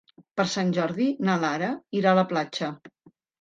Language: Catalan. Per Sant Jordi na Lara irà a la platja.